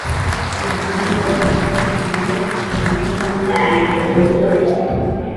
urukangaga: ibyatsi bimera mu tubande ku migezi mitoya,